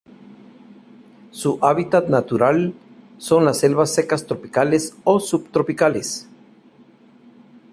Su hábitat natural son las selvas secas tropicales o subtropicales.